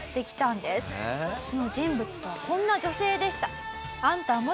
その人物とはこんな女性でした。